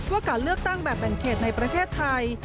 ว่าการเลือกตั้งแบบแบ่งเขตในประเทศไทย